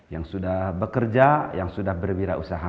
yang sudah bekerja yang sudah berwirausaha